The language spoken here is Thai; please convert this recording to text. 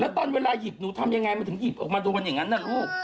ตอนเวลาหยิบหนูทำยังไงมันถึงหยิบออกมาโดนอย่างนั้นนะลูก